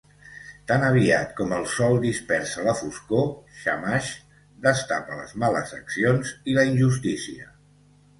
Tan aviat com el Sol dispersa la foscor, Shamash destapa les males accions i la injustícia.